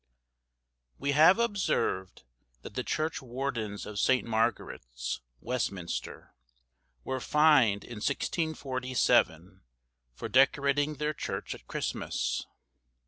WE have observed that the churchwardens of St. Margaret's, Westminster, were fined in 1647 for decorating their church at Christmas.